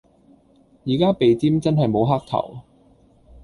而家鼻尖真係無黑頭